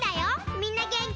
みんなげんき？